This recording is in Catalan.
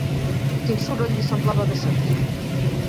Quin soroll li semblava haver sentit?